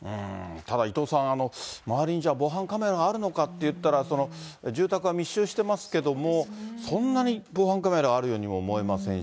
ただ、伊藤さん、周りに防犯カメラがあるのかっていったら、住宅が密集してますけども、そんなに防犯カメラあるようにも思えませんし。